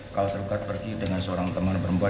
kalau tergugat pergi dengan seorang teman perempuan